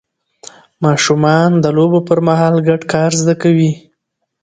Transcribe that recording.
ماشومان د لوبو پر مهال ګډ کار زده کوي